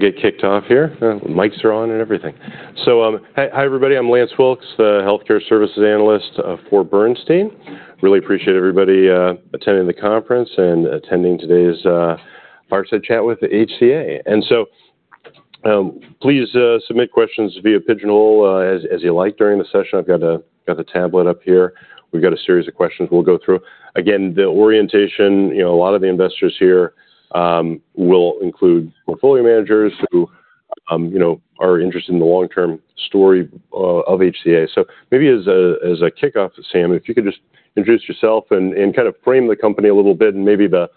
We'll get kicked off here. Mics are on and everything. So, hi, hi everybody, I'm Lance Wilkes, the healthcare services analyst for Bernstein. Really appreciate everybody attending the conference and attending today's fireside chat with HCA. And so, please submit questions via Pigeonhole as, as you like during the session. I've got the tablet up here. We've got a series of questions we'll go through. Again, the orientation, you know, a lot of the investors here will include portfolio managers who, you know, are interested in the long-term story of HCA. So maybe as a, as a kickoff to Sam, if you could just introduce yourself and, and kind of frame the company a little bit and maybe the,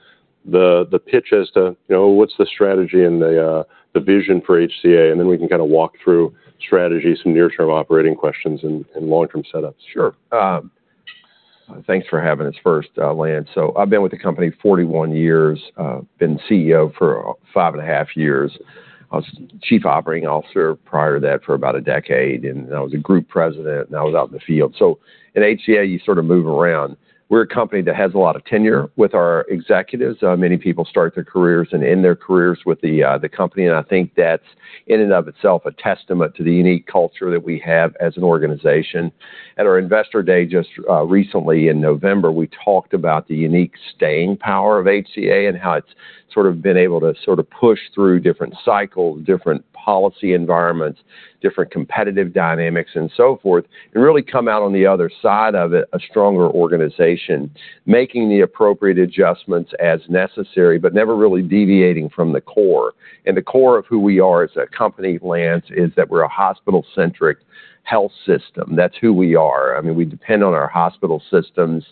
the, the pitch as to, you know, what's the strategy and the, the vision for HCA? And then we can kinda walk through strategies, some near-term operating questions and long-term setups. Sure. Thanks for having us first, Lance. So I've been with the company 41 years, been CEO for, 5.5 years. I was Chief Operating Officer prior to that for about a decade, and I was a group president, and I was out in the field. So at HCA, you sort of move around. We're a company that has a lot of tenure with our executives. Many people start their careers and end their careers with the, the company, and I think that's, in and of itself, a testament to the unique culture that we have as an organization. At our Investor Day, just recently in November, we talked about the unique staying power of HCA and how it's sort of been able to sort of push through different cycles, different policy environments, different competitive dynamics, and so forth, and really come out on the other side of it, a stronger organization, making the appropriate adjustments as necessary, but never really deviating from the core. And the core of who we are as a company, Lance, is that we're a hospital-centric health system. That's who we are. I mean, we depend on our hospital systems,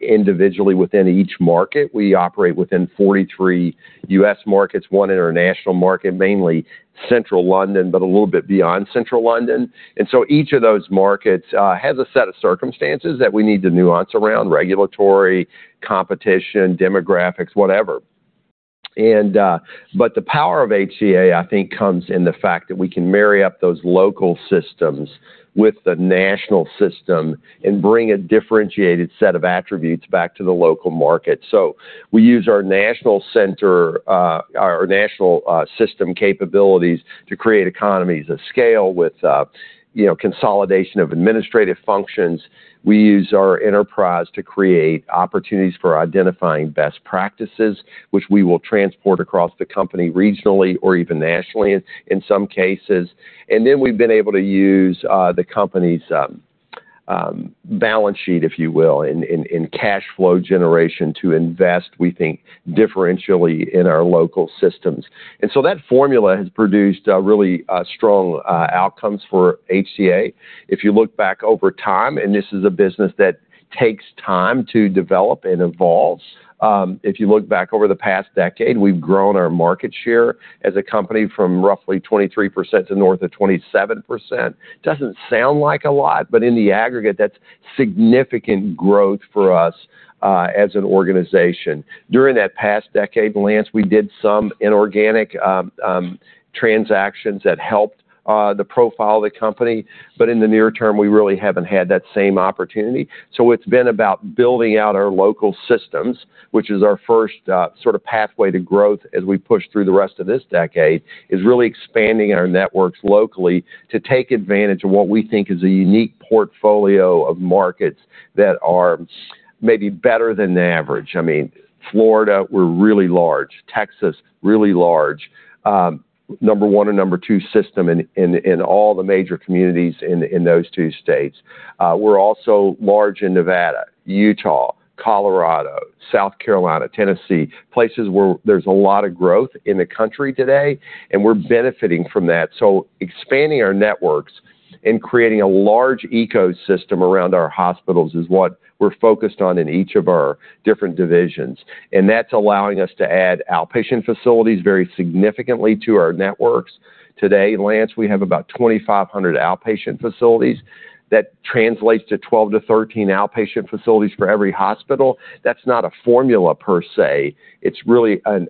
individually within each market. We operate within 43 U.S. markets, one international market, mainly Central London, but a little bit beyond Central London. So each of those markets has a set of circumstances that we need to nuance around regulatory, competition, demographics, whatever. But the power of HCA, I think, comes in the fact that we can marry up those local systems with the national system and bring a differentiated set of attributes back to the local market. So we use our national center, our national system capabilities to create economies of scale with, you know, consolidation of administrative functions. We use our enterprise to create opportunities for identifying best practices, which we will transport across the company, regionally or even nationally, in some cases. And then we've been able to use the company's balance sheet, if you will, in cash flow generation to invest, we think, differentially in our local systems. And so that formula has produced really strong outcomes for HCA. If you look back over time, and this is a business that takes time to develop and evolves, if you look back over the past decade, we've grown our market share as a company from roughly 23% to north of 27%. Doesn't sound like a lot, but in the aggregate, that's significant growth for us as an organization. During that past decade, Lance, we did some inorganic transactions that helped the profile of the company, but in the near term, we really haven't had that same opportunity. So it's been about building out our local systems, which is our first sort of pathway to growth as we push through the rest of this decade, is really expanding our networks locally to take advantage of what we think is a unique portfolio of markets that are maybe better than the average. I mean, Florida, we're really large. Texas, really large. Number 1 and number 2 system in all the major communities in those two states. We're also large in Nevada, Utah, Colorado, South Carolina, Tennessee, places where there's a lot of growth in the country today, and we're benefiting from that. So expanding our networks and creating a large ecosystem around our hospitals is what we're focused on in each of our different divisions, and that's allowing us to add outpatient facilities very significantly to our networks. Today, Lance, we have about 2,500 outpatient facilities. That translates to 12-13 outpatient facilities for every hospital. That's not a formula per se. It's really an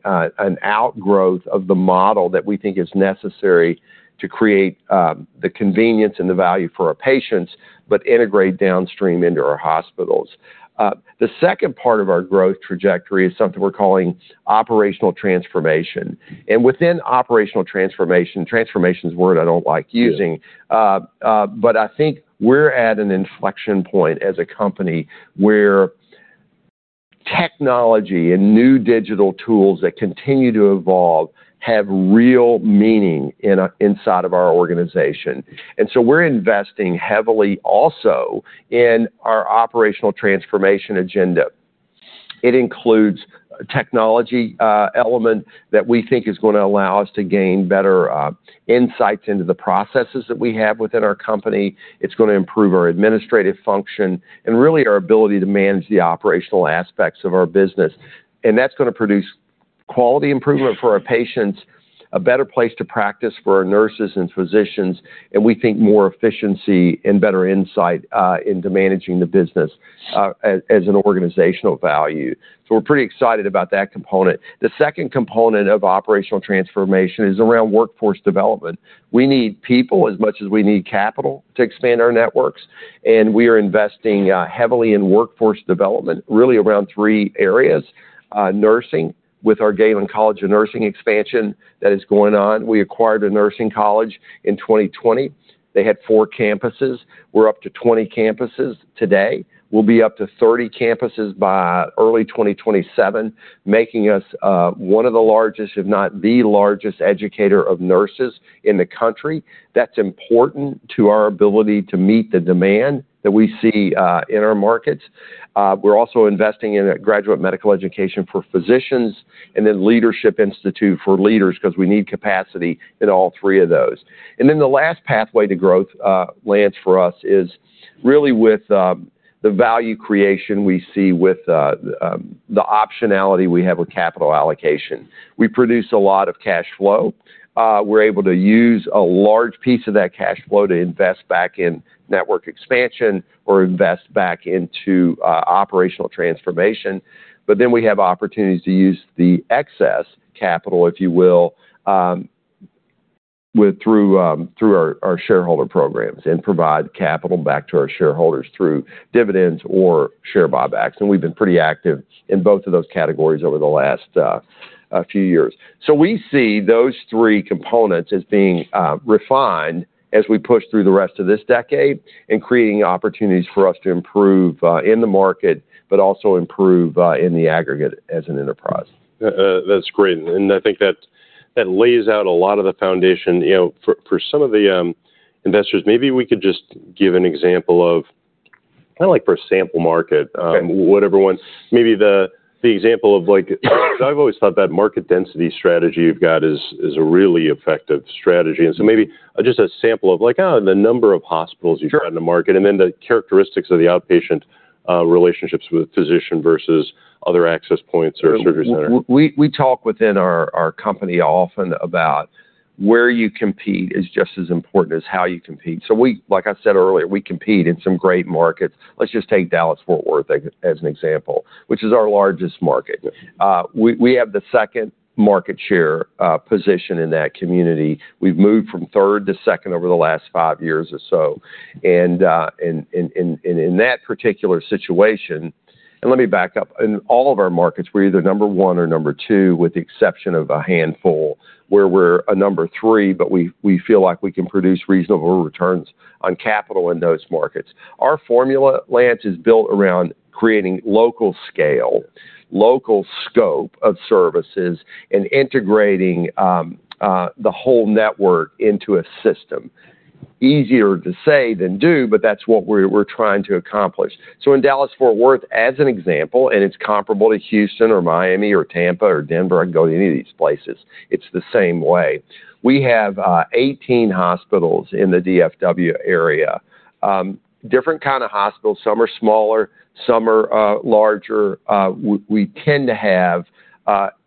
outgrowth of the model that we think is necessary to create the convenience and the value for our patients, but integrate downstream into our hospitals. The second part of our growth trajectory is something we're calling Operational Transformation, and within operational transformation, transformation is a word I don't like using. But I think we're at an inflection point as a company where technology and new digital tools that continue to evolve have real meaning in inside of our organization. And so we're investing heavily also in our operational transformation agenda. It includes a technology element that we think is gonna allow us to gain better insights into the processes that we have within our company. It's gonna improve our administrative function and really our ability to manage the operational aspects of our business. And that's gonna produce quality improvement for our patients, a better place to practice for our nurses and physicians, and we think more efficiency and better insight into managing the business as an organizational value. So we're pretty excited about that component. The second component of operational transformation is around workforce development. We need people as much as we need capital to expand our networks, and we are investing heavily in workforce development, really around three areas... nursing with our Galen College of Nursing expansion that is going on. We acquired a nursing college in 2020. They had four campuses. We're up to 20 campuses today. We'll be up to 30 campuses by early 2027, making us one of the largest, if not the largest, educator of nurses in the country. That's important to our ability to meet the demand that we see in our markets. We're also investing in a graduate medical education for physicians and then Leadership Institute for leaders, because we need capacity in all three of those. And then the last pathway to growth, Lance, for us, is really with the value creation we see with the optionality we have with capital allocation. We produce a lot of cash flow. We're able to use a large piece of that cash flow to invest back in network expansion or invest back into operational transformation. But then we have opportunities to use the excess capital, if you will, through our shareholder programs and provide capital back to our shareholders through dividends or share buybacks. We've been pretty active in both of those categories over the last few years. We see those three components as being refined as we push through the rest of this decade and creating opportunities for us to improve in the market, but also improve in the aggregate as an enterprise. That's great, and I think that lays out a lot of the foundation. You know, for some of the investors, maybe we could just give an example of, kind of like for a sample market. Maybe the example of, like, I've always thought that market density strategy you've got is a really effective strategy. So maybe just a sample of, like, the number of hospitals you've got in the market, and then the characteristics of the outpatient relationships with physician versus other access points or surgery center. We talk within our company often about where you compete is just as important as how you compete. So we, like I said earlier, we compete in some great markets. Let's just take Dallas-Fort Worth as an example, which is our largest market. We have the second market share position in that community. We've moved from third to second over the last five years or so. And in that particular situation. And let me back up. In all of our markets, we're either number one or number two, with the exception of a handful, where we're a number three, but we feel like we can produce reasonable returns on capital in those markets. Our formula, Lance, is built around creating local scale, local scope of services, and integrating the whole network into a system. Easier to say than do, but that's what we're trying to accomplish. So in Dallas-Fort Worth, as an example, and it's comparable to Houston or Miami or Tampa or Denver, I can go to any of these places, it's the same way. We have 18 hospitals in the DFW area. Different kind of hospitals. Some are smaller, some are larger. We tend to have,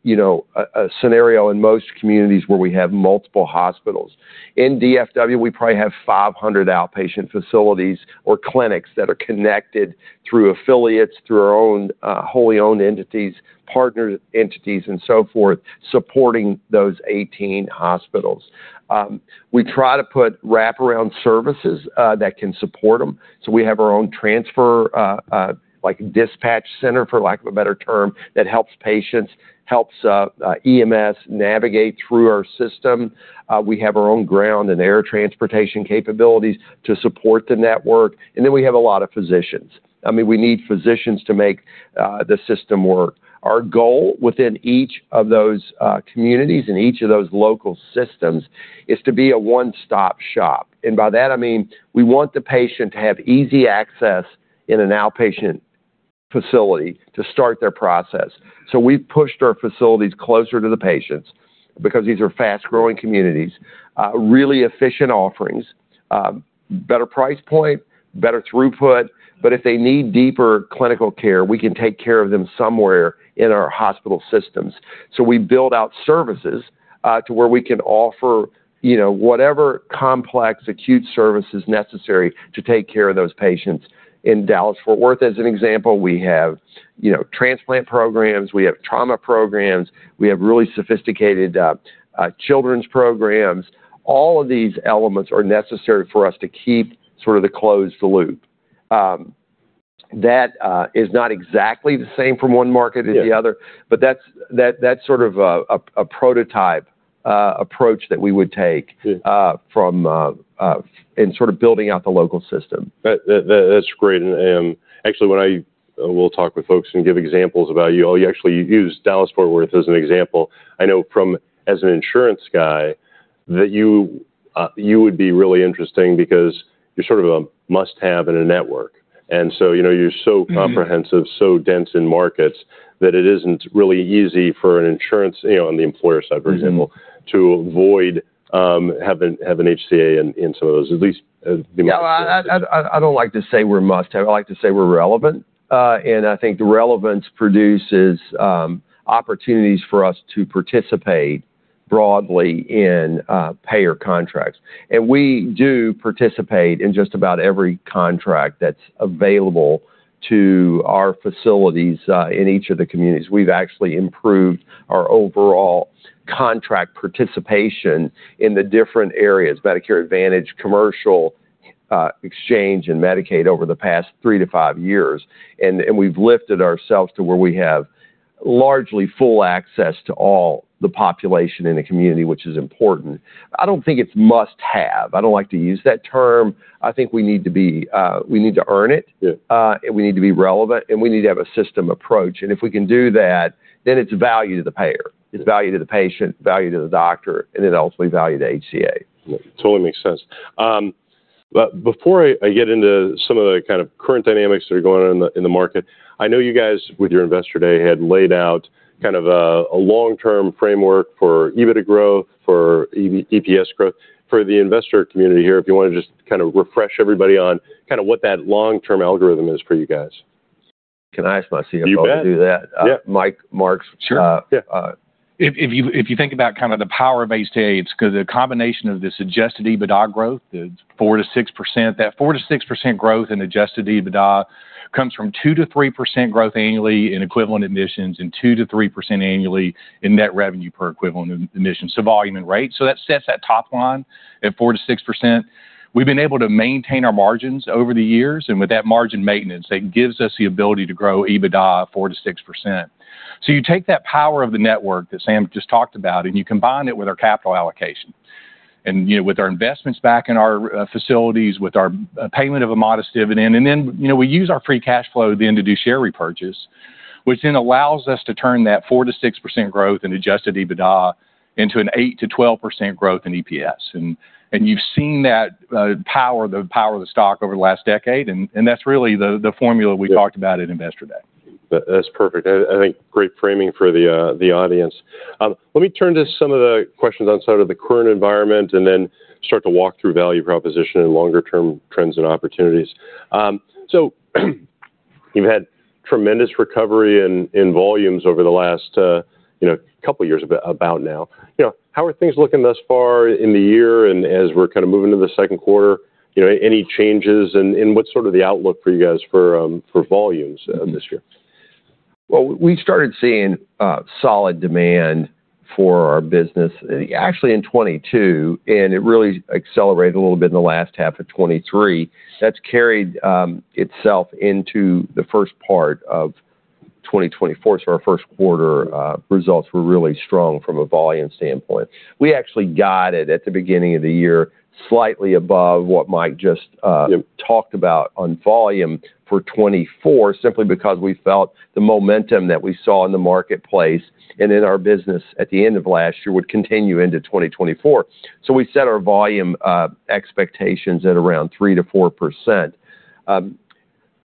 you know, a scenario in most communities where we have multiple hospitals. In DFW, we probably have 500 outpatient facilities or clinics that are connected through affiliates, through our own wholly owned entities, partner entities, and so forth, supporting those 18 hospitals. We try to put wraparound services that can support them, so we have our own transfer like dispatch center, for lack of a better term, that helps patients, helps EMS navigate through our system. We have our own ground and air transportation capabilities to support the network, and then we have a lot of physicians. I mean, we need physicians to make the system work. Our goal within each of those communities and each of those local systems is to be a one-stop shop. And by that, I mean, we want the patient to have easy access in an outpatient facility to start their process. So we've pushed our facilities closer to the patients because these are fast-growing communities, really efficient offerings, better price point, better throughput. But if they need deeper clinical care, we can take care of them somewhere in our hospital systems. So we build out services to where we can offer, you know, whatever complex, acute services necessary to take care of those patients. In Dallas-Fort Worth, as an example, we have, you know, transplant programs, we have trauma programs, we have really sophisticated children's programs. All of these elements are necessary for us to keep sort of the closed loop. That is not exactly the same from one market to the other, but that's sort of a prototype approach that we would take in sort of building out the local system. That's great, and actually, when we'll talk with folks and give examples about you. Oh, you actually use Dallas-Fort Worth as an example. I know from, as an insurance guy, that you would be really interesting because you're sort of a must-have in a network. And so, you know, you're so comprehensive, so dense in markets, that it isn't really easy for an insurance, you know, on the employer side, for example, to avoid, having HCA in, into those, at least as demonstrated. Yeah, I don't like to say we're must-have. I like to say we're relevant. And I think the relevance produces opportunities for us to participate broadly in payer contracts. And we do participate in just about every contract that's available to our facilities in each of the communities. We've actually improved our overall contract participation in the different areas, Medicare Advantage, Commercial, Exchange and Medicaid over the past three to five years, and we've lifted ourselves to where we have largely full access to all the population in a community, which is important. I don't think it's must-have. I don't like to use that term. I think we need to be, we need to earn it. Yeah. We need to be relevant, and we need to have a system approach, and if we can do that, then it's value to the payer. It's value to the patient, value to the doctor, and then ultimately value to HCA. Yeah, totally makes sense. But before I get into some of the kind of current dynamics that are going on in the market, I know you guys, with your Investor Day, had laid out kind of a long-term framework for EBITDA growth, for EPS growth. For the investor community here, if you wanna just kind of refresh everybody on kinda what that long-term algorithm is for you guys. Can I ask my CFO? You bet. To do that? Yeah. Mike Marks. Sure, yeah. If you think about kind of the power base case, 'cause a combination of the suggested EBITDA growth, the 4%-6%, that 4%-6% growth in adjusted EBITDA comes from 2%-3% growth annually in equivalent admissions, and 2%-3% annually in net revenue per equivalent admissions, so volume and rate. So that sets that top line at 4%-6%. We've been able to maintain our margins over the years, and with that margin maintenance, that gives us the ability to grow EBITDA 4%-6%. So you take that power of the network that Sam just talked about, and you combine it with our capital allocation, and, you know, with our investments back in our facilities, with our payment of a modest dividend, and then, you know, we use our free cash flow then to do share repurchase, which then allows us to turn that 4%-6% growth in Adjusted EBITDA into an 8%-12% growth in EPS. And, and you've seen that power, the power of the stock over the last decade, and, and that's really the, the formula we talked about at Investor Day. That, that's perfect, and I think great framing for the, the audience. Let me turn to some of the questions on sort of the current environment, and then start to walk through value proposition and longer term trends and opportunities. So you've had tremendous recovery in, in volumes over the last, you know, couple years about now. You know, how are things looking thus far in the year, and as we're kind of moving into the second quarter, you know, any changes, and, and what's sort of the outlook for you guys for, for volumes, this year? Well, we started seeing solid demand for our business actually in 2022, and it really accelerated a little bit in the last half of 2023. That's carried itself into the first part of 2024. So our first quarter results were really strong from a volume standpoint. We actually guided at the beginning of the year, slightly above what Mike just talked about on volume for 2024, simply because we felt the momentum that we saw in the marketplace and in our business at the end of last year would continue into 2024. So we set our volume expectations at around 3%-4%.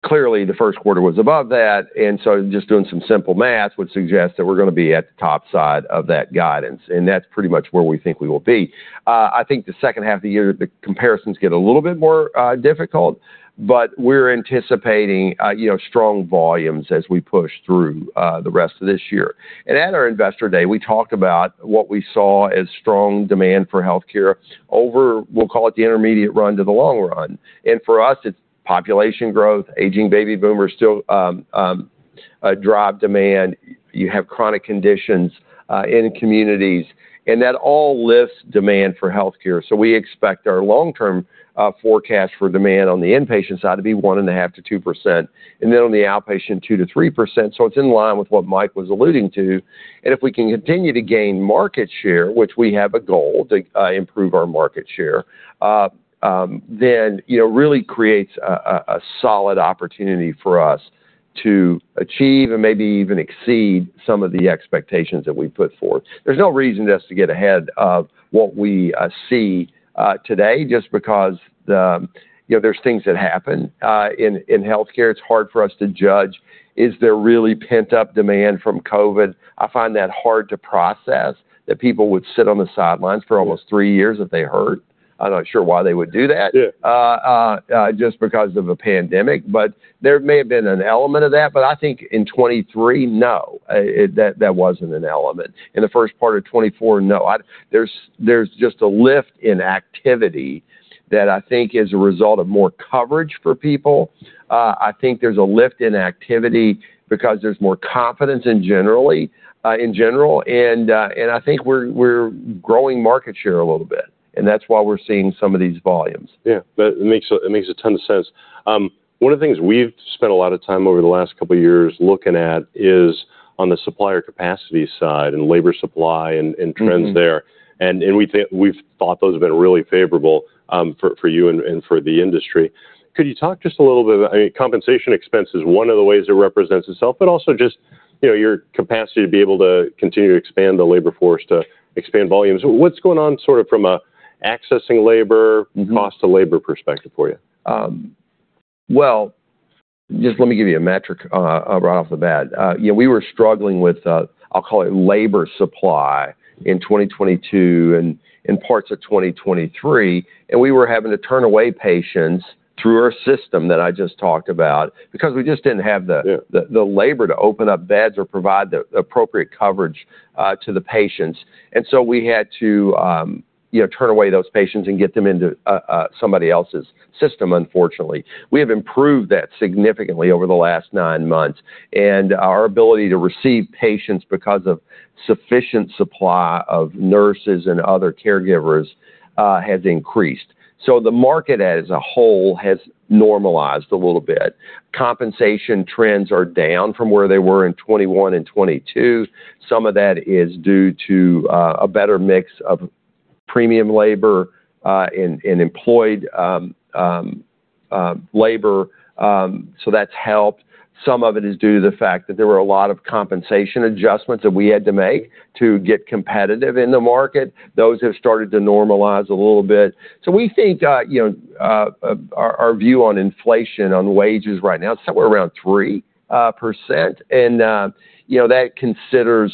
Clearly, the first quarter was above that, and so just doing some simple math would suggest that we're gonna be at the top side of that guidance, and that's pretty much where we think we will be. I think the second half of the year, the comparisons get a little bit more difficult, but we're anticipating, you know, strong volumes as we push through the rest of this year. At our Investor Day, we talked about what we saw as strong demand for healthcare over, we'll call it, the intermediate run to the long run, and for us, it's population growth, aging baby boomers still drive demand. You have chronic conditions in communities, and that all lifts demand for healthcare. We expect our long-term forecast for demand on the inpatient side to be 1.5%-2%, and then on the outpatient, 2%-3%, so it's in line with what Mike was alluding to. And if we can continue to gain market share, which we have a goal to improve our market share, then you know, really creates a solid opportunity for us to achieve and maybe even exceed some of the expectations that we've put forth. There's no reason just to get ahead of what we see today, just because, you know, there's things that happen in healthcare. It's hard for us to judge, is there really pent-up demand from COVID? I find that hard to process, that people would sit on the sidelines for almost three years if they hurt. I'm not sure why they would do that just because of a pandemic. But there may have been an element of that, but I think in 2023, no, it, that wasn't an element. In the first part of 2024, no. There's just a lift in activity that I think is a result of more coverage for people. I think there's a lift in activity because there's more confidence in general, and I think we're growing market share a little bit, and that's why we're seeing some of these volumes. Yeah, it makes a ton of sense. One of the things we've spent a lot of time over the last couple of years looking at is on the supplier capacity side and labor supply and trends there, and we think—we've thought those have been really favorable for you and for the industry. Could you talk just a little bit about, I mean, compensation expense is one of the ways it represents itself, but also just, you know, your capacity to be able to continue to expand the labor force, to expand volumes. What's going on sort of from accessing labor cost to labor perspective for you? Well, just let me give you a metric, right off the bat. You know, we were struggling with, I'll call it, labor supply in 2022 and in parts of 2023, and we were having to turn away patients through our system that I just talked about, because we just didn't have the labor to open up beds or provide the appropriate coverage to the patients, and so we had to you know, turn away those patients and get them into somebody else's system, unfortunately. We have improved that significantly over the last nine months, and our ability to receive patients because of sufficient supply of nurses and other caregivers has increased. So the market as a whole has normalized a little bit. Compensation trends are down from where they were in 2021 and 2022. Some of that is due to a better mix of premium labor and employed labor, so that's helped. Some of it is due to the fact that there were a lot of compensation adjustments that we had to make to get competitive in the market. Those have started to normalize a little bit. So we think, you know, our view on inflation, on wages right now, it's somewhere around 3%. And, you know, that considers,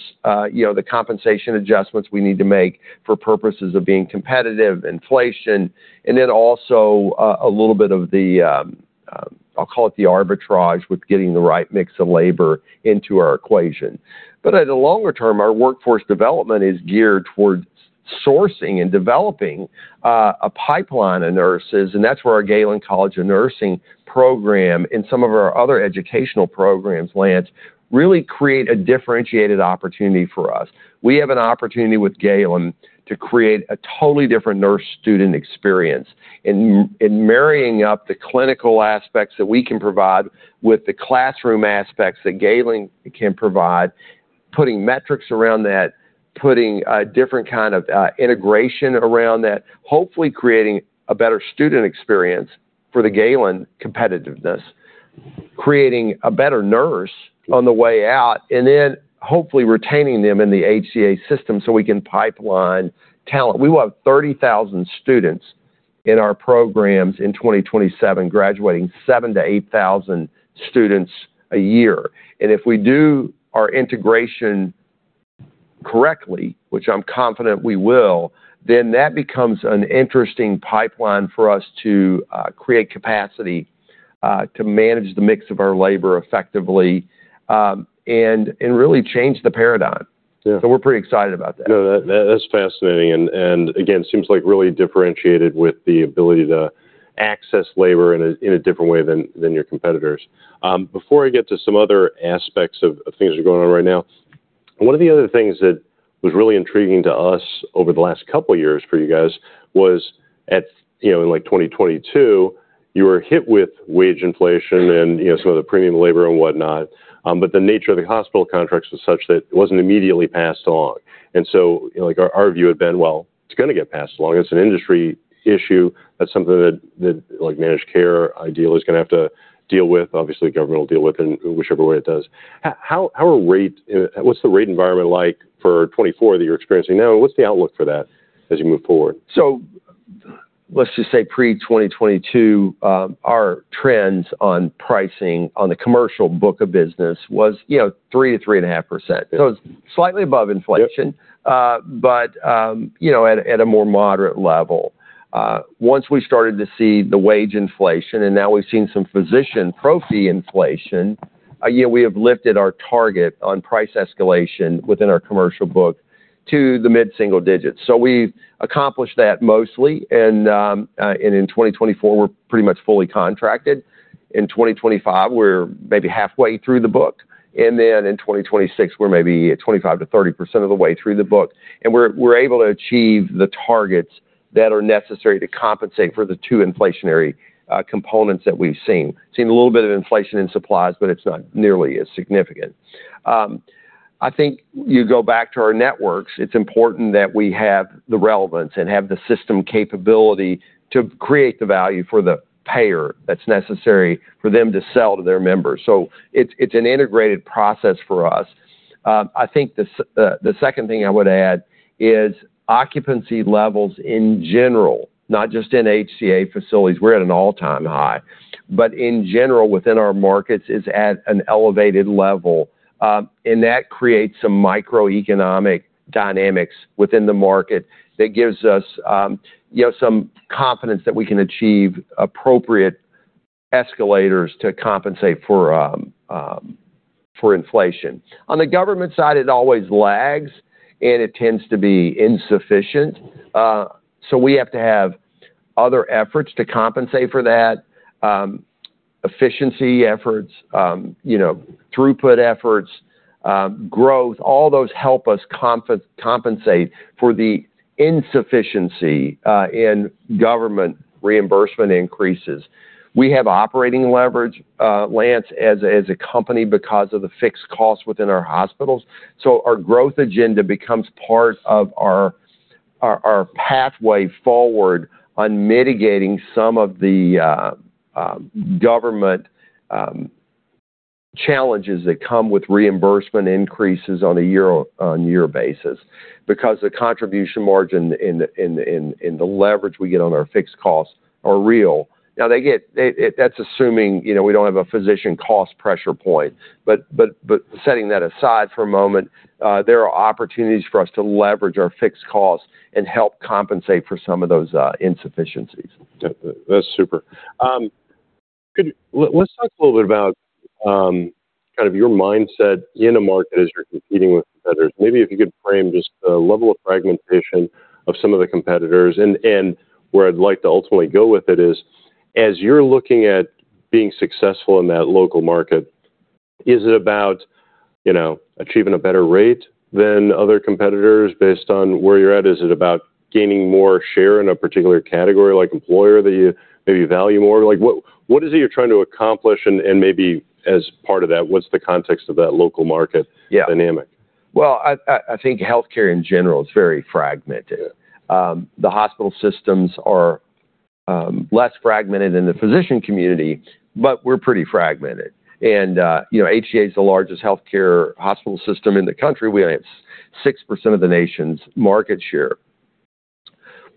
you know, the compensation adjustments we need to make for purposes of being competitive, inflation, and then also, a little bit of the, I'll call it the arbitrage with getting the right mix of labor into our equation. But at the longer term, our workforce development is geared towards sourcing and developing, a pipeline of nurses, and that's where our Galen College of Nursing program and some of our other educational programs, Lance, really create a differentiated opportunity for us. We have an opportunity with Galen to create a totally different nurse student experience. Marrying up the clinical aspects that we can provide with the classroom aspects that Galen can provide, putting metrics around that, putting a different kind of integration around that, hopefully creating a better student experience for the Galen competitiveness, creating a better nurse on the way out, and then hopefully retaining them in the HCA system so we can pipeline talent. We want 30,000 students in our programs in 2027, graduating 7,000-8,000 students a year. And if we do our integration correctly, which I'm confident we will, then that becomes an interesting pipeline for us to create capacity to manage the mix of our labor effectively, and really change the paradigm. Yeah. So we're pretty excited about that. No, that, that's fascinating, and, and again, seems like really differentiated with the ability to access labor in a, in a different way than, than your competitors. Before I get to some other aspects of, of things that are going on right now, one of the other things that was really intriguing to us over the last couple of years for you guys was at, you know, in, like, 2022, you were hit with wage inflation and, you know, some of the premium labor and whatnot, but the nature of the hospital contracts was such that it wasn't immediately passed along. And so, like, our, our view had been, well, it's gonna get passed along. It's an industry issue. That's something that, that, like, managed care ideally is gonna have to deal with. Obviously, government will deal with in whichever way it does. How are rates? What's the rate environment like for 2024 that you're experiencing now? What's the outlook for that as you move forward? Let's just say pre-2022, our trends on pricing on the commercial book of business was, you know, 3%-3.5%. It's slightly above inflation. Yep. But, you know, at a more moderate level. Once we started to see the wage inflation, and now we've seen some physician pro fee inflation, you know, we have lifted our target on price escalation within our commercial book to the mid-single digits. So we've accomplished that mostly, and in 2024, we're pretty much fully contracted. In 2025, we're maybe halfway through the book, and then in 2026, we're maybe at 25%-30% of the way through the book. And we're able to achieve the targets that are necessary to compensate for the two inflationary components that we've seen. Seen a little bit of inflation in supplies, but it's not nearly as significant. I think you go back to our networks, it's important that we have the relevance and have the system capability to create the value for the payer that's necessary for them to sell to their members. So it's, it's an integrated process for us. I think the second thing I would add is occupancy levels in general, not just in HCA facilities, we're at an all-time high, but in general, within our markets, is at an elevated level. And that creates some microeconomic dynamics within the market that gives us, you know, some confidence that we can achieve appropriate escalators to compensate for, for inflation. On the government side, it always lags, and it tends to be insufficient, so we have to have other efforts to compensate for that. Efficiency efforts, you know, throughput efforts, growth, all those help us compensate for the insufficiency in government reimbursement increases. We have operating leverage, Lance, as a company because of the fixed costs within our hospitals, so our growth agenda becomes part of our pathway forward on mitigating some of the government challenges that come with reimbursement increases on a year-over-year basis, because the contribution margin and the leverage we get on our fixed costs are real. Now, that's assuming, you know, we don't have a physician cost pressure point. But setting that aside for a moment, there are opportunities for us to leverage our fixed costs and help compensate for some of those insufficiencies. That's super. Let's talk a little bit about kind of your mindset in the market as you're competing with competitors. Maybe if you could frame just the level of fragmentation of some of the competitors. And where I'd like to ultimately go with it is, as you're looking at being successful in that local market... Is it about, you know, achieving a better rate than other competitors based on where you're at? Is it about gaining more share in a particular category, like employer, that you, maybe you value more? Like, what, what is it you're trying to accomplish? And maybe as part of that, what's the context of that local market dynamic? Well, I think healthcare in general is very fragmented. The hospital systems are less fragmented than the physician community, but we're pretty fragmented. And, you know, HCA is the largest healthcare hospital system in the country. We have 6% of the nation's market share.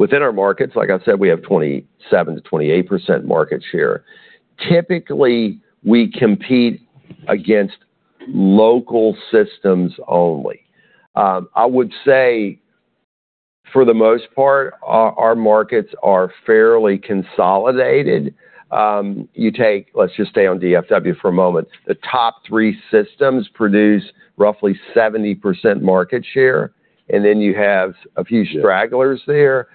Within our markets, like I said, we have 27%-28% market share. Typically, we compete against local systems only. I would say, for the most part, our markets are fairly consolidated. You take, let's just stay on DFW for a moment. The top three systems produce roughly 70% market share, and then you have a few stragglers there.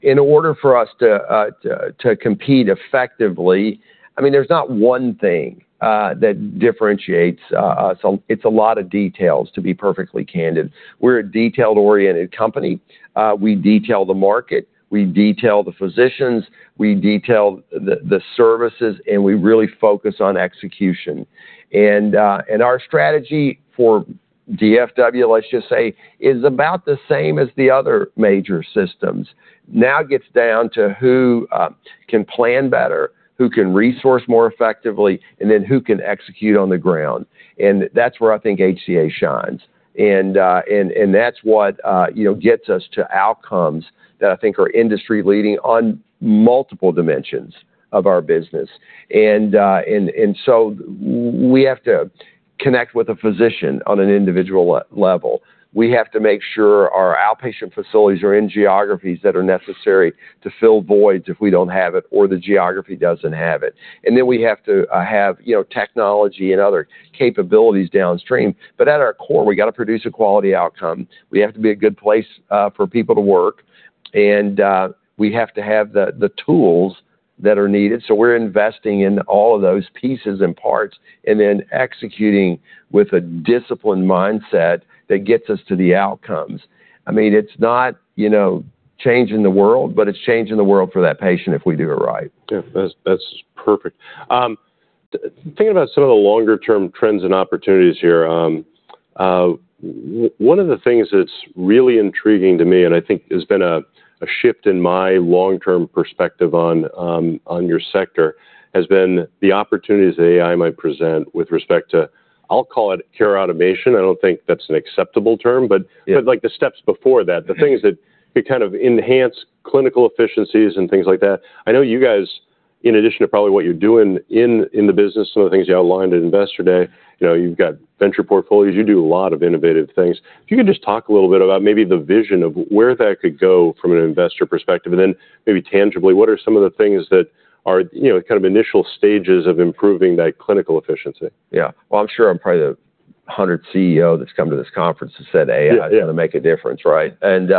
In order for us to compete effectively, I mean, there's not one thing that differentiates us. It's a lot of details, to be perfectly candid. We're a detail-oriented company. We detail the market, we detail the physicians, we detail the services, and we really focus on execution. And our strategy for DFW, let's just say, is about the same as the other major systems. Now, it gets down to who can plan better, who can resource more effectively, and then who can execute on the ground, and that's where I think HCA shines. And that's what, you know, gets us to outcomes that I think are industry-leading on multiple dimensions of our business. And so we have to connect with a physician on an individual level. We have to make sure our outpatient facilities are in geographies that are necessary to fill voids if we don't have it or the geography doesn't have it. And then we have to have, you know, technology and other capabilities downstream. But at our core, we got to produce a quality outcome. We have to be a good place for people to work, and we have to have the tools that are needed. So we're investing in all of those pieces and parts, and then executing with a disciplined mindset that gets us to the outcomes. I mean, it's not, you know, changing the world, but it's changing the world for that patient if we do it right. Yeah, that's, that's perfect. Thinking about some of the longer-term trends and opportunities here, one of the things that's really intriguing to me, and I think has been a shift in my long-term perspective on your sector, has been the opportunities that AI might present with respect to, I'll call it care automation. I don't think that's an acceptable term, but like, the steps before that, the things that kind of enhance clinical efficiencies and things like that. I know you guys, in addition to probably what you're doing in, in the business, some of the things you outlined at Investor Day, you know, you've got venture portfolios. You do a lot of innovative things. If you could just talk a little bit about maybe the vision of where that could go from an investor perspective, and then maybe tangibly, what are some of the things that are, you know, kind of initial stages of improving that clinical efficiency? Yeah. Well, I'm sure I'm probably the hundredth CEO that's come to this conference and said, AI is gonna make a difference, right? And,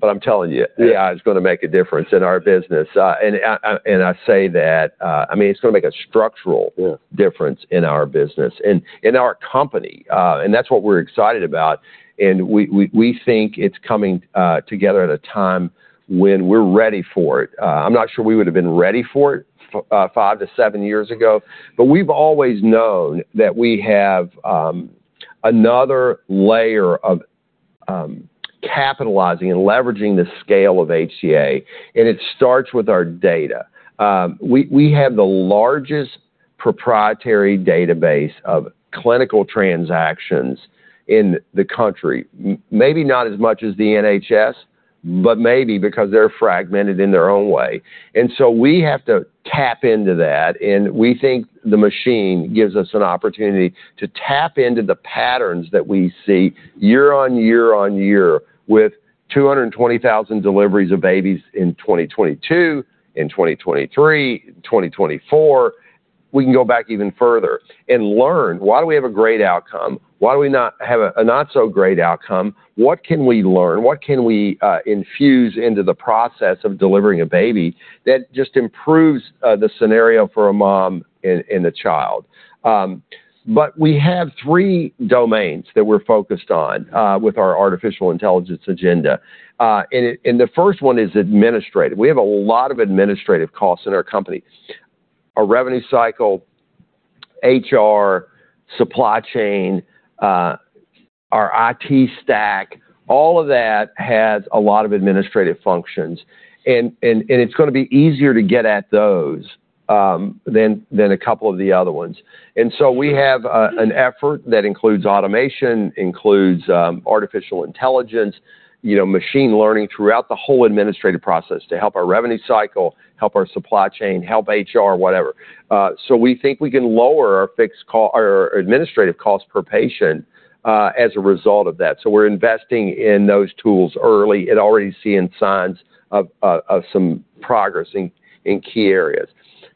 but I'm telling you, AI is gonna make a difference in our business. And I say that, I mean, it's gonna make a structural difference in our business and in our company. And that's what we're excited about, and we think it's coming together at a time when we're ready for it. I'm not sure we would have been ready for it 5-7 years ago, but we've always known that we have another layer of capitalizing and leveraging the scale of HCA, and it starts with our data. We have the largest proprietary database of clinical transactions in the country. Maybe not as much as the NHS, but maybe because they're fragmented in their own way. We have to tap into that, and we think the machine gives us an opportunity to tap into the patterns that we see year on year on year, with 220,000 deliveries of babies in 2022, in 2023, in 2024. We can go back even further and learn, why do we have a great outcome? Why do we not have a not-so-great outcome? What can we learn? What can we infuse into the process of delivering a baby that just improves the scenario for a mom and the child? But we have three domains that we're focused on with our artificial intelligence agenda. And the first one is administrative. We have a lot of administrative costs in our company. Our revenue cycle, HR, supply chain, our IT stack, all of that has a lot of administrative functions, and it's gonna be easier to get at those than a couple of the other ones. And so we have an effort that includes automation, includes artificial intelligence, you know, machine learning throughout the whole administrative process to help our revenue cycle, help our supply chain, help HR, whatever. So we think we can lower our fixed costs or our administrative costs per patient as a result of that. So we're investing in those tools early and already seeing signs of some progress in key areas.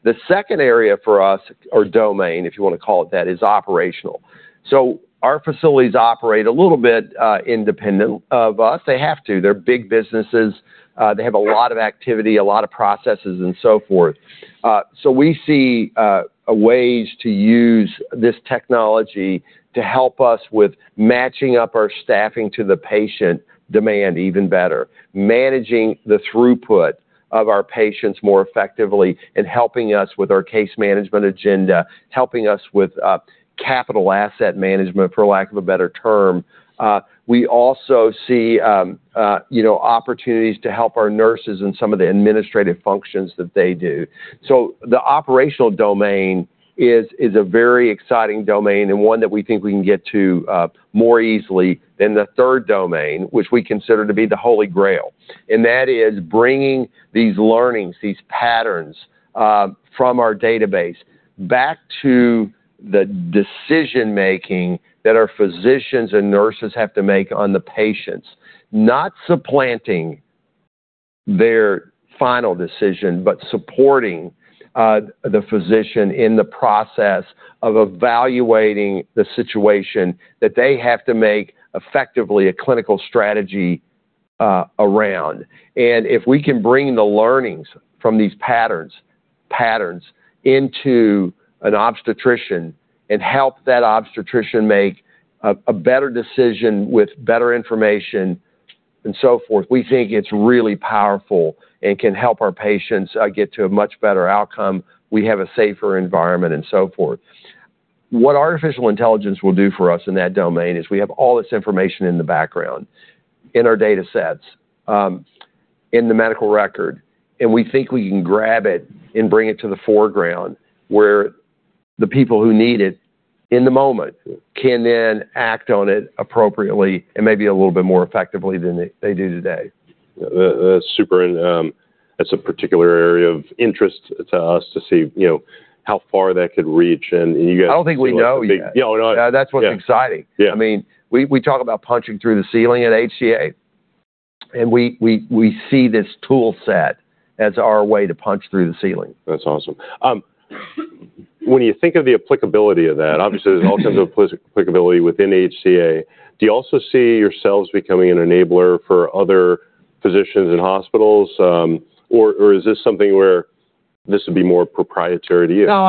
The second area for us, or domain, if you wanna call it that, is operational. So our facilities operate a little bit independent of us. They have to. They're big businesses. They have a lot of activity, a lot of processes, and so forth. So we see ways to use this technology to help us with matching up our staffing to the patient demand even better, managing the throughput of our patients more effectively, and helping us with our case management agenda, helping us with capital asset management, for lack of a better term. We also see, you know, opportunities to help our nurses in some of the administrative functions that they do. So the operational domain is a very exciting domain and one that we think we can get to more easily than the third domain, which we consider to be the Holy Grail. And that is bringing these learnings, these patterns from our database back to the decision-making that our physicians and nurses have to make on the patients. Not supplanting their final decision, but supporting the physician in the process of evaluating the situation that they have to make effectively a clinical strategy around. And if we can bring the learnings from these patterns into an obstetrician and help that obstetrician make a better decision with better information and so forth, we think it's really powerful and can help our patients get to a much better outcome. We have a safer environment and so forth. What artificial intelligence will do for us in that domain is we have all this information in the background, in our datasets, in the medical record, and we think we can grab it and bring it to the foreground, where the people who need it in the moment can then act on it appropriately and maybe a little bit more effectively than they do today. That super, and that's a particular area of interest to us to see, you know, how far that could reach, and you guys. I don't think we know yet. Yeah, I know. That's what's exciting. Yeah. I mean, we talk about punching through the ceiling at HCA, and we see this tool set as our way to punch through the ceiling. That's awesome. When you think of the applicability of that, obviously, there's all kinds of applicability within HCA. Do you also see yourselves becoming an enabler for other physicians and hospitals, or, or is this something where this would be more proprietary to you? No,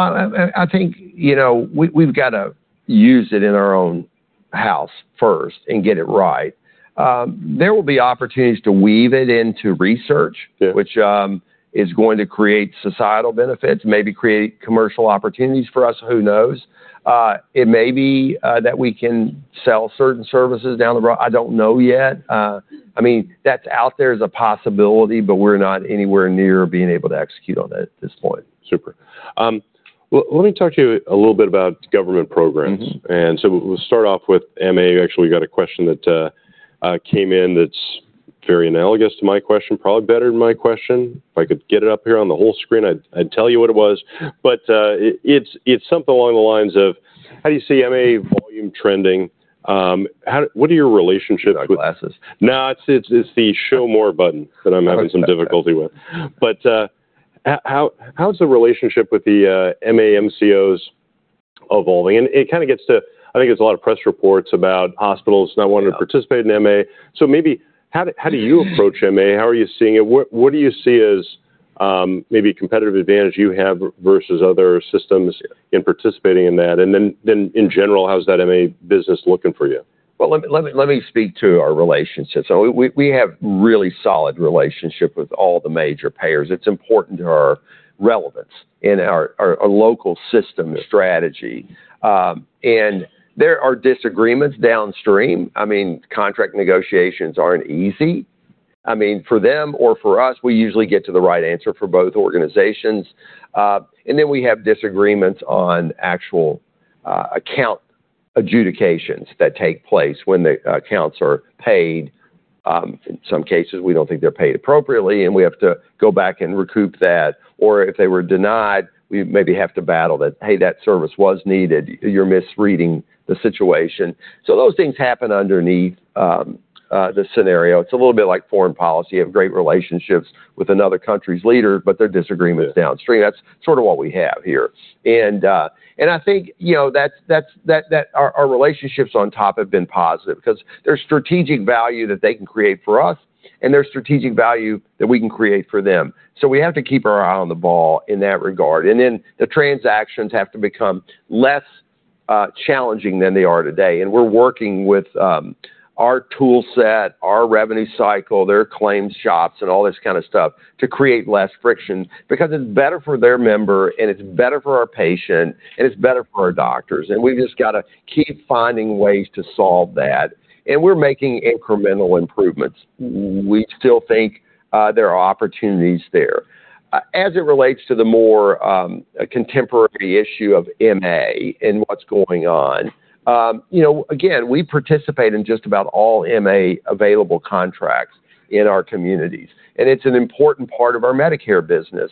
I think, you know, we, we've got to use it in our own house first and get it right. There will be opportunities to weave it into research, which is going to create societal benefits, maybe create commercial opportunities for us. Who knows? It may be that we can sell certain services down the road. I don't know yet. I mean, that's out there as a possibility, but we're not anywhere near being able to execute on that at this point. Super. Well, let me talk to you a little bit about government programs. Mm-hmm. And so we'll start off with MA. I actually got a question that came in that's very analogous to my question, probably better than my question. If I could get it up here on the whole screen, I'd tell you what it was. But it's something along the lines of: How do you see MA volume trending? How... What are your relationships with. My glasses? No, it's the Show More button that I'm having some difficulty with. But, how's the relationship with the MA MCOs evolving? And it kind of gets to—I think there's a lot of press reports about hospitals not wanting to participate in MA. So maybe how do you approach MA? How are you seeing it? What do you see as maybe a competitive advantage you have versus other systems in participating in that? And then in general, how's that MA business looking for you? Well, let me speak to our relationships. So we have really solid relationship with all the major payers. It's important to our relevance in our local system strategy. And there are disagreements downstream. I mean, contract negotiations aren't easy. I mean, for them or for us, we usually get to the right answer for both organizations. And then we have disagreements on actual, account adjudications that take place when the accounts are paid. In some cases, we don't think they're paid appropriately, and we have to go back and recoup that. Or if they were denied, we maybe have to battle that, "Hey, that service was needed. You're misreading the situation." So those things happen underneath, the scenario. It's a little bit like foreign policy. You have great relationships with another country's leader, but there are disagreements downstream. That's sort of what we have here. And, and I think, you know, that's that our relationships on top have been positive because there's strategic value that they can create for us, and there's strategic value that we can create for them. So we have to keep our eye on the ball in that regard. And then the transactions have to become less challenging than they are today. And we're working with our tool set, our revenue cycle, their claims shops, and all this kind of stuff to create less friction because it's better for their member, and it's better for our patient, and it's better for our doctors. And we've just got to keep finding ways to solve that, and we're making incremental improvements. We still think there are opportunities there. As it relates to the more contemporary issue of MA and what's going on, you know, again, we participate in just about all MA available contracts in our communities, and it's an important part of our Medicare business.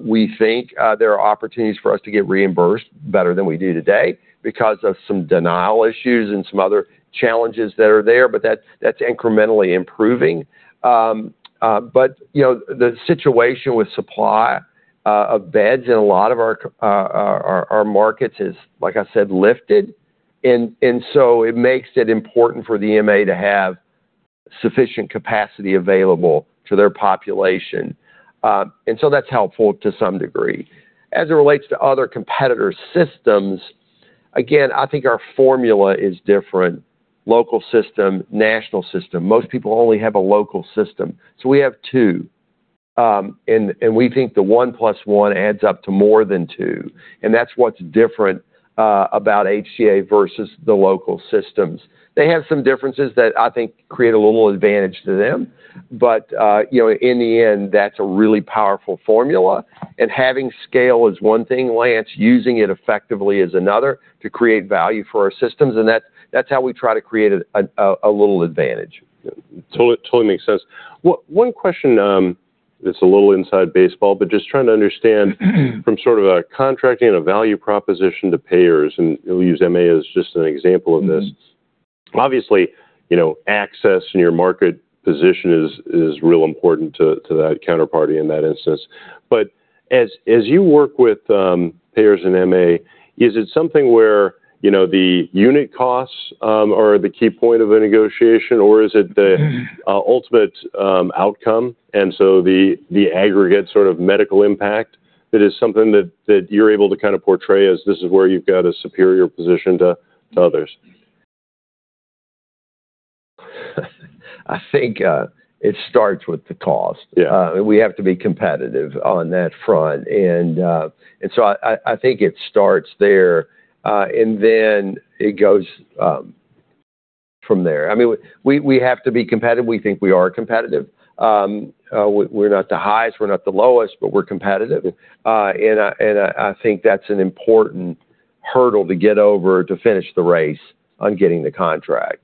We think there are opportunities for us to get reimbursed better than we do today because of some denial issues and some other challenges that are there, but that's incrementally improving. But you know, the situation with supply of beds in a lot of our markets is, like I said, lifted. And so it makes it important for the MA to have sufficient capacity available to their population. And so that's helpful to some degree. As it relates to other competitor systems, again, I think our formula is different: local system, national system. Most people only have a local system, so we have two. And we think the one plus one adds up to more than two, and that's what's different about HCA versus the local systems. They have some differences that I think create a little advantage to them, but you know, in the end, that's a really powerful formula. And having scale is one thing, Lance, using it effectively is another, to create value for our systems, and that's how we try to create a little advantage. Yeah. Totally, totally makes sense. One question, that's a little inside baseball, but just trying to understand from sort of a contracting and a value proposition to payers, and we'll use MA as just an example of this. Mm-hmm. Obviously, you know, access and your market position is real important to that counterparty in that instance. But as you work with payers in MA, is it something where, you know, the unit costs are the key point of the negotiation, or is it the ultimate outcome, and so the aggregate sort of medical impact, that is something that you're able to kinda portray as this is where you've got a superior position to others? I think it starts with the cost. Yeah. We have to be competitive on that front. And so I think it starts there, and then it goes from there. I mean, we have to be competitive. We think we are competitive. We're not the highest, we're not the lowest, but we're competitive. I think that's an important hurdle to get over to finish the race on getting the contract.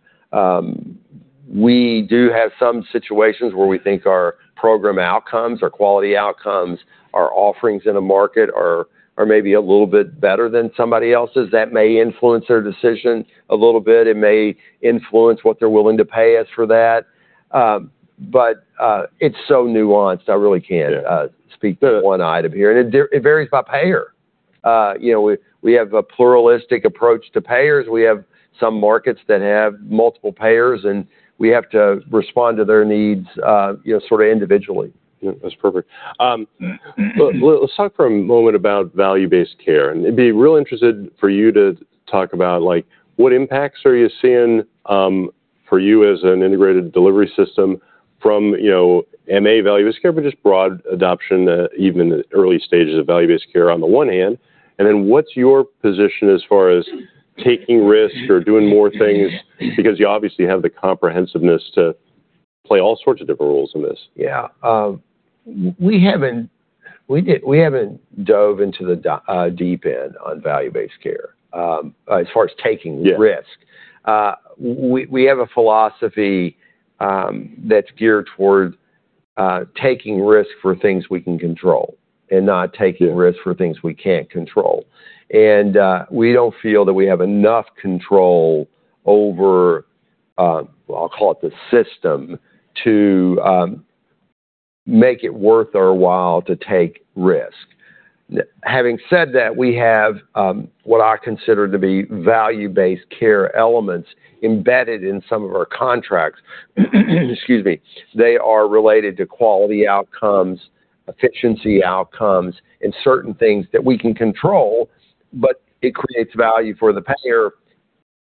We do have some situations where we think our program outcomes, our quality outcomes, our offerings in a market are maybe a little bit better than somebody else's. That may influence their decision a little bit. It may influence what they're willing to pay us for that. But it's so nuanced. I really can't speak to one item here. It varies by payer. You know, we have a pluralistic approach to payers. We have some markets that have multiple payers, and we have to respond to their needs, you know, sort of individually. Yeah, that's perfect. Uhm, well, let's talk for a moment about value-based care. And I'd be real interested for you to talk about, like, what impacts are you seeing, for you as an integrated delivery system from, you know, MA value-based care, but just broad adoption, even in the early stages of value-based care on the one hand, and then what's your position as far as taking risks or doing more things? Because you obviously have the comprehensiveness to play all sorts of different roles in this. Yeah, we haven't dove into the deep end on value-based care as far as taking risk. Yeah. We have a philosophy that's geared toward taking risk for things we can control and not taking risk for things we can't control. We don't feel that we have enough control over, I'll call it the system, to make it worth our while to take risk. Having said that, we have what I consider to be value-based care elements embedded in some of our contracts. Excuse me. They are related to quality outcomes, efficiency outcomes, and certain things that we can control, but it creates value for the payer,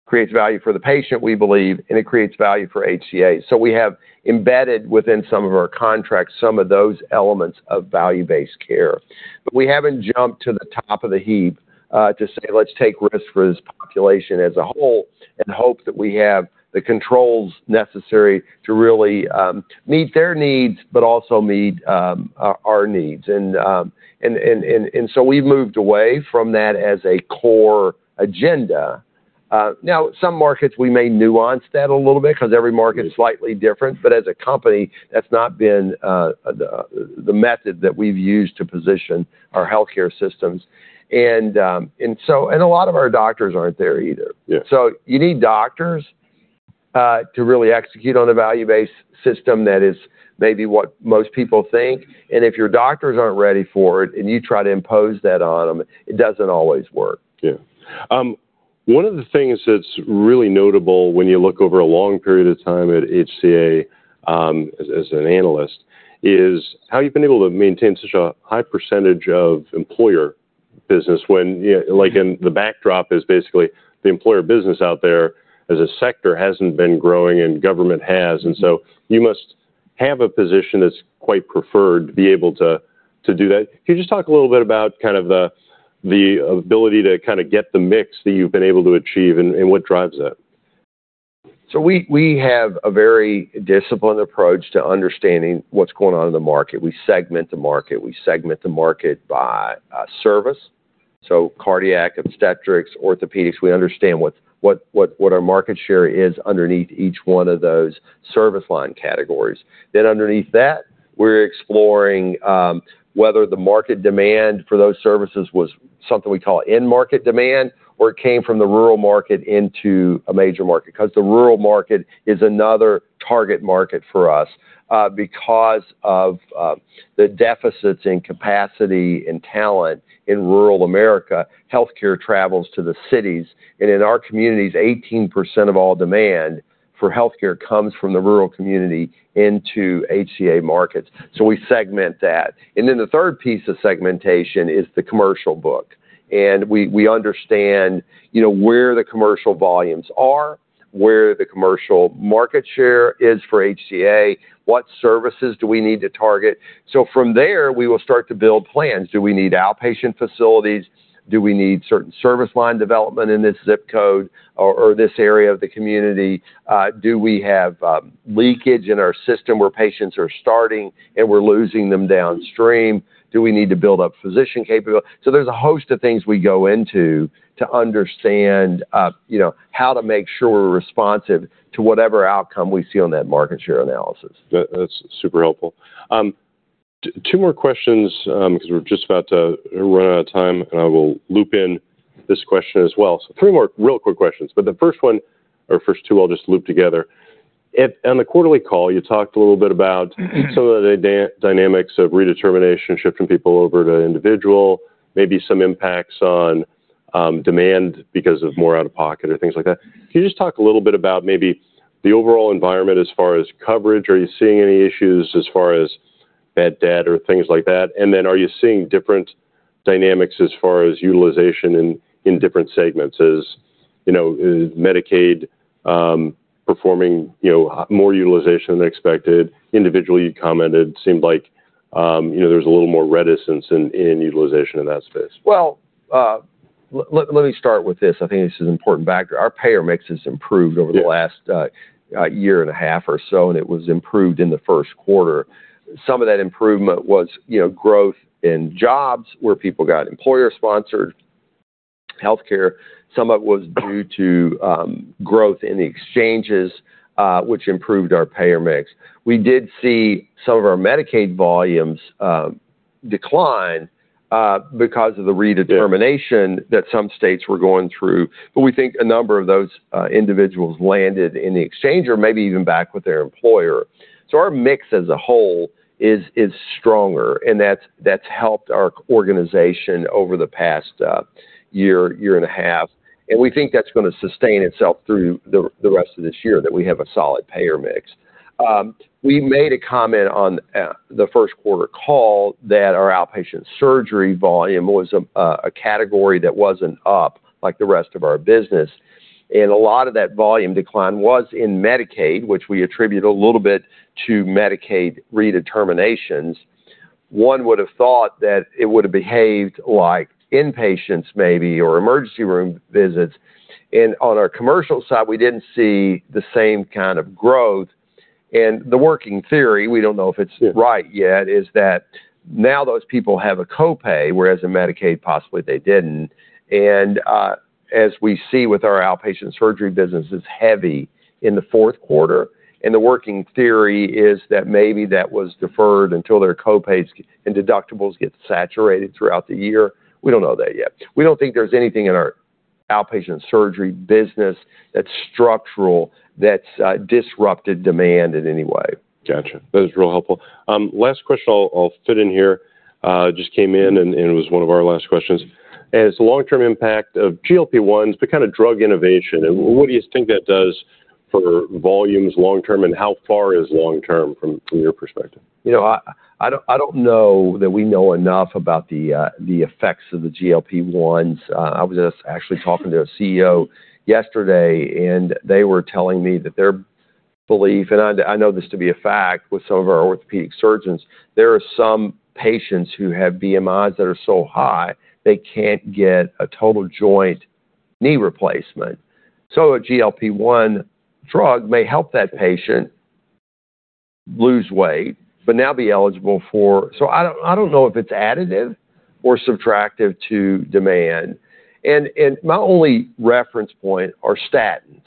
creates value for the patient, we believe, and it creates value for HCA. So we have embedded within some of our contracts some of those elements of value-based care. But we haven't jumped to the top of the heap, to say, let's take risks for this population as a whole and hope that we have the controls necessary to really meet their needs, but also meet our needs. So we've moved away from that as a core agenda. Now, some markets, we may nuance that a little bit because every market is slightly different, but as a company, that's not been the method that we've used to position our healthcare systems. And a lot of our doctors aren't there either. Yeah. You need doctors to really execute on a value-based system that is maybe what most people think. If your doctors aren't ready for it, and you try to impose that on them, it doesn't always work. Yeah. One of the things that's really notable when you look over a long period of time at HCA, as an analyst, is how you've been able to maintain such a high percentage of employer business when, yeah—like, in the backdrop is basically the employer business out there as a sector hasn't been growing, and government has. And so you must have a position that's quite preferred to be able to do that. Can you just talk a little bit about kind of the ability to kinda get the mix that you've been able to achieve and what drives that? So we have a very disciplined approach to understanding what's going on in the market. We segment the market. We segment the market by service, so cardiac, obstetrics, orthopedics. We understand what our market share is underneath each one of those service line categories. Then underneath that, we're exploring whether the market demand for those services was something we call in-market demand, or it came from the rural market into a major market. Because the rural market is another target market for us, because of the deficits in capacity and talent in rural America, healthcare travels to the cities, and in our communities, 18% of all demand for healthcare comes from the rural community into HCA markets, so we segment that. And then the third piece of segmentation is the commercial book. We understand, you know, where the commercial volumes are, where the commercial market share is for HCA, what services do we need to target? So from there, we will start to build plans. Do we need outpatient facilities? Do we need certain service line development in this ZIP code or this area of the community? Do we have leakage in our system where patients are starting, and we're losing them downstream? Do we need to build up physician capability? So there's a host of things we go into to understand, you know, how to make sure we're responsive to whatever outcome we see on that market share analysis. That's super helpful. Two more questions, because we're just about to run out of time, and I will loop in this question as well. So three more real quick questions, but the first one or first two, I'll just loop together. On the quarterly call, you talked a little bit about some of the dynamics of redetermination, shifting people over to individual, maybe some impacts on demand because of more out-of-pocket or things like that. Can you just talk a little bit about maybe the overall environment as far as coverage? Are you seeing any issues as far as bad debt or things like that? And then are you seeing different dynamics as far as utilization in different segments? As you know, Medicaid performing you know, more utilization than expected. Individual, you commented, seemed like you know, there's a little more reticence in utilization in that space. Well, let me start with this. I think this is an important factor. Our payer mix has improved over the last year and a half or so, and it was improved in the first quarter. Some of that improvement was, you know, growth in jobs, where people got employer-sponsored healthcare. Some of it was due to growth in the exchanges, which improved our payer mix. We did see some of our Medicaid volumes decline because of the redetermination that some states were going through, but we think a number of those individuals landed in the exchange or maybe even back with their employer. So our mix as a whole is stronger, and that's helped our organization over the past year, year and a half. We think that's gonna sustain itself through the rest of this year, that we have a solid payer mix. We made a comment on the first quarter call that our outpatient surgery volume was a category that wasn't up like the rest of our business, and a lot of that volume decline was in Medicaid, which we attribute a little bit to Medicaid redeterminations. One would have thought that it would have behaved like inpatients maybe or emergency room visits, and on our commercial side, we didn't see the same kind of growth. The working theory, we don't know if it's right yet, is that now those people have a copay, whereas in Medicaid, possibly they didn't. And, as we see with our outpatient surgery business, it's heavy in the fourth quarter, and the working theory is that maybe that was deferred until their copays and deductibles get saturated throughout the year. We don't know that yet. We don't think there's anything in our outpatient surgery business that's structural, that's disrupted demand in any way. Gotcha. That is real helpful. Last question I'll fit in here, just came in, and it was one of our last questions. As the long-term impact of GLP-1s, but kind of drug innovation, and what do you think that does for volumes long term, and how far is long term from your perspective? You know, I don't know that we know enough about the effects of the GLP-1s. I was just actually talking to a CEO yesterday, and they were telling me that their belief, and I know this to be a fact with some of our orthopedic surgeons, there are some patients who have BMIs that are so high they can't get a total joint knee replacement. So a GLP-1 drug may help that patient lose weight but now be eligible for... So I don't know if it's additive or subtractive to demand, and my only reference point are statins.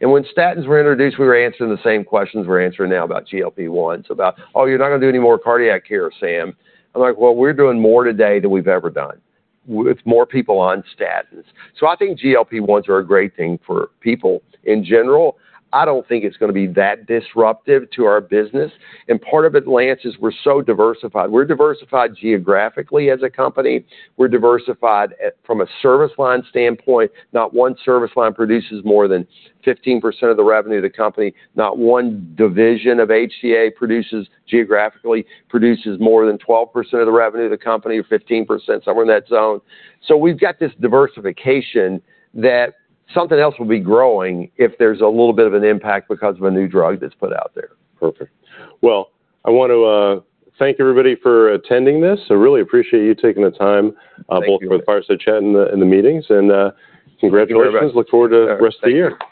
And when statins were introduced, we were answering the same questions we're answering now about GLP-1s, about, "Oh, you're not gonna do any more cardiac care, Sam." I'm like, "Well, we're doing more today than we've ever done with more people on statins." So I think GLP-1s are a great thing for people in general. I don't think it's gonna be that disruptive to our business, and part of it, Lance, is we're so diversified. We're diversified geographically as a company. We're diversified at, from a service line standpoint. Not one service line produces more than 15% of the revenue of the company. Not one division of HCA produces more than 12% of the revenue of the company, or 15%, somewhere in that zone. So we've got this diversification that something else will be growing if there's a little bit of an impact because of a new drug that's put out there. Perfect. Well, I want to thank everybody for attending this. I really appreciate you taking the time, both for the Fireside Chat and the meetings, and congratulations. Thank you very much. Look forward to the rest of the year.